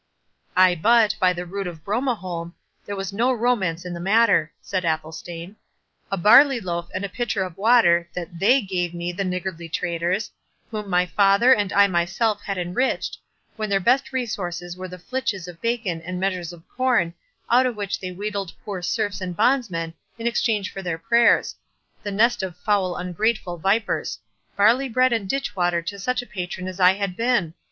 "Ay but, by the rood of Bromeholm, there was no romance in the matter!" said Athelstane.—"A barley loaf and a pitcher of water—that THEY gave me, the niggardly traitors, whom my father, and I myself, had enriched, when their best resources were the flitches of bacon and measures of corn, out of which they wheedled poor serfs and bondsmen, in exchange for their prayers—the nest of foul ungrateful vipers—barley bread and ditch water to such a patron as I had been!